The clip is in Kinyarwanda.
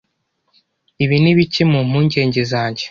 Ibi ni bike mu mpungenge zanjye.